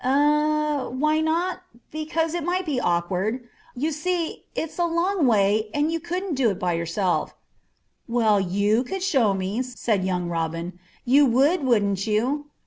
"Eh? Why not? Because it might be awkward. You see, it's a long way, and you couldn't go by yourself." "Well, you could show me," said young Robin. "You would, wouldn't you?"